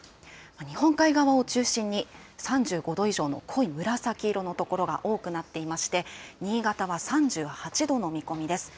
日本海側を中心に、３５度以上の濃い紫色の所が多くなっていまして、新潟は３８度の見込みです。